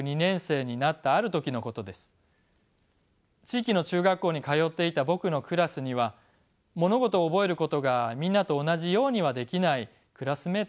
地域の中学校に通っていた僕のクラスには物事を覚えることがみんなと同じようにはできないクラスメートがいました。